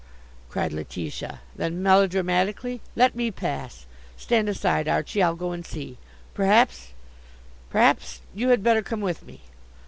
cried Letitia. Then, melodramatically: "Let me pass. Stand aside, Archie. I'll go and see. Perhaps perhaps you had better come with me."